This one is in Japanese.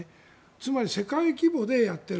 つまり世界規模でやっている。